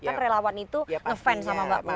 kan relawan itu ngefans sama mbak